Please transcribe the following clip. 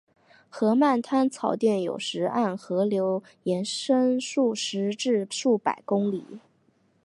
河漫滩草甸有时沿河流延伸数十至数百公里。